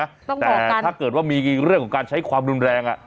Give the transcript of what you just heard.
ต้องบอกกันถ้าเกิดว่ามีเรื่องของการใช้ความรุนแรง